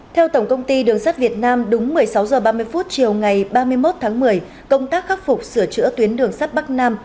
theo tổng công ty đường sắt việt nam đúng một mươi sáu h ba mươi chiều ngày ba mươi một tháng một mươi công tác khắc phục sửa chữa tuyến đường sắt bắc nam